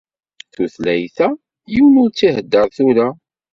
Tutlayt-a yiwen ur tt-ihedder tura.